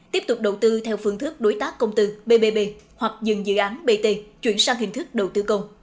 tiếp tục đầu tư theo phương thức đối tác công tư bbb hoặc dừng dự án bt chuyển sang hình thức đầu tư công